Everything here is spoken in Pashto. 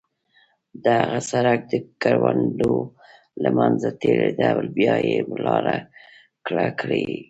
دغه سړک د کروندو له منځه تېرېده، بیا یې لاره کږه کړې وه.